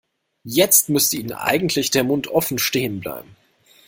Jetzt müsste Ihnen eigentlich der Mund offen stehen bleiben.